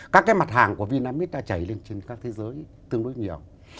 các cái mặt hàng của vinamit đã chảy lên trên các thế giới tương đối nhiều